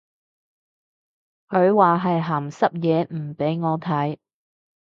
佢話係鹹濕嘢唔俾我睇